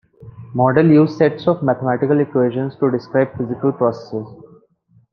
Models use sets of mathematical equations to describe physical processes.